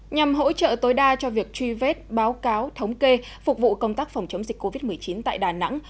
nhằm hỗ trợ tối đa cho việc truy vết báo cáo thống kê phục vụ công tác phòng chống dịch covid một mươi chín tại đà nẵng